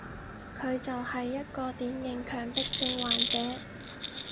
佢就係一個典型強迫症患者